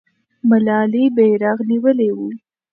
ملالۍ بیرغ نیولی وو.